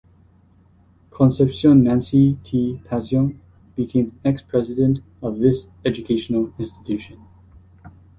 Concepcion Nancy T. Pasion, became the next president of this educational institution.